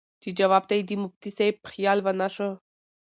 چې جواب ته ئې د مفتي صېب خيال ونۀ شۀ